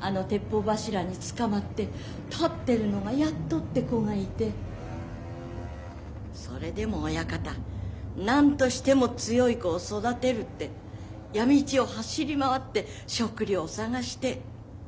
あの鉄砲柱につかまって立ってるのがやっとって子がいてそれでも親方何としても強い子を育てるって闇市を走り回って食料を探して。